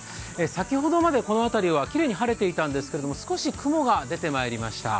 先ほどまでこの辺りはきれいに晴れていたんですけれども、少し雲が出てまいりました。